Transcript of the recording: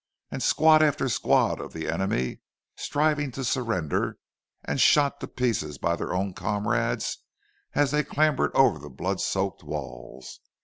And squad after squad of the enemy striving to surrender, and shot to pieces by their own comrades as they clambered over the blood soaked walls!